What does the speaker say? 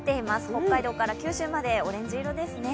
北海道から九州までオレンジ色ですね。